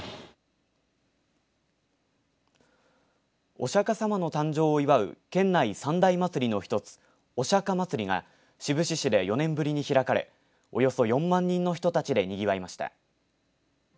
お釈迦様の誕生を祝う県内三大祭りの一つお釈迦まつりが志布志市で４年ぶりに開かれおよそ４万人たちでにぎわいました。